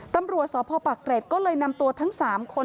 ตำรวจสพปักเกร็ดก็เลยนำตัวทั้ง๓คน